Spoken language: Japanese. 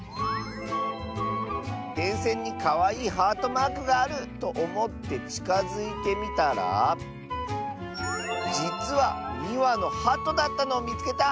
「でんせんにかわいいハートマークがあるとおもってちかづいてみたらじつは２わのハトだったのをみつけた！」。